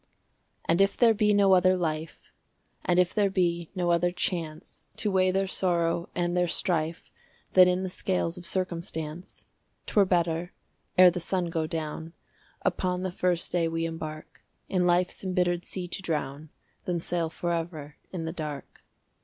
And if there be no other life, And if there be no other chance To weigh their sorrow and their strife Than in the scales of circumstance, 'T were better, ere the sun go down Upon the first day we embark, In life's imbittered sea to drown, Than sail forever in the dark.